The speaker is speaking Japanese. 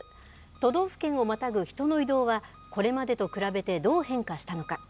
都道府県をまたぐ人の移動は、これまでと比べてどう変化したのか。